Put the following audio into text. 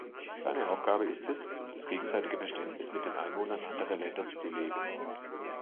Seine Aufgabe ist es, das gegenseitige Verständnis mit den Einwohnern anderer Länder zu beleben.